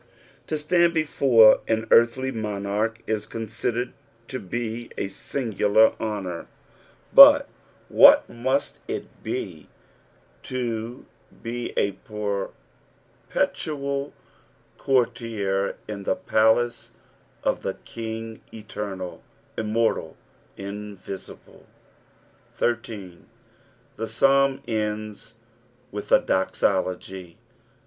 PSALU THB FOBTT FIRST. 289 To Htand before an earthly monarch is conudered to be & singular honour, but what muBt it be to be a perpetual courtier in the paUce of the King Eternal, Immortal, Invisible ? 13. The Psalm ends with a dosologf.